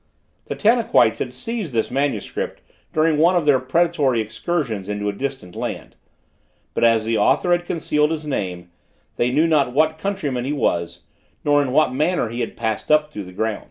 The Tanaquites had seized this manuscript during one of their predatory excursions into a distant land; but as the author had concealed his name, they knew not what countryman he was, nor in what manner he had passed up through the earth.